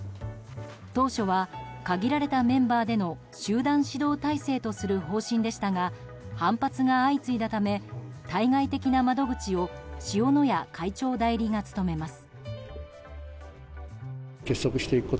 当初は限られたメンバーでの集団指導体制とする方針でしたが反発が相次いだため対外的な窓口を塩谷会長代理が務めます。